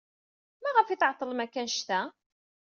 Maɣef ay tɛeḍḍlem akk anect-a?